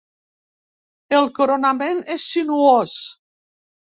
El coronament és sinuós.